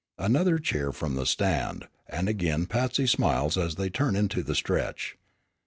Another cheer from the stand, and again Patsy smiles as they turn into the stretch.